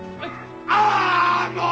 あもう！